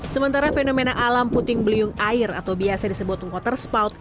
sementara fenomena alam puting beliung air atau biasa disebut water spout